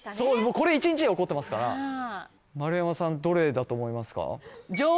これ一日で起こってますから丸山さんどれだと思いますか？